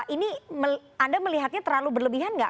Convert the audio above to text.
ini anda melihatnya terlalu berlebihan nggak